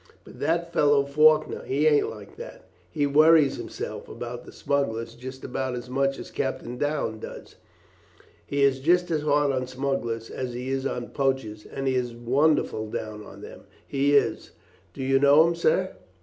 But that fellow Faulkner, he ain't like that. He worries hisself about the smugglers just about as much as Captain Downes does. He is just as hard on smugglers as he is on poachers, and he is wonderful down on them, he is. Do you know him, sir?"